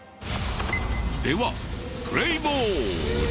ではプレーボール！